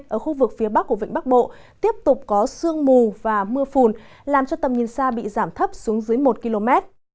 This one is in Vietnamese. ở khu vực phía bắc của vịnh bắc bộ tiếp tục có sương mù và mưa phùn làm cho tầm nhìn xa bị giảm thấp xuống dưới một km